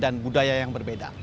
dan budaya yang berbeda